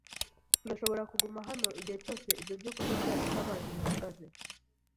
Turashobora kuguma hano igihe cyose ibyo kurya byacu n'amazi bihagaze.